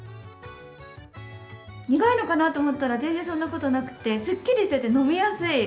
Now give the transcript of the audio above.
苦いのかと思ったら全然そんなことなくすっきりしていて、飲みやすい。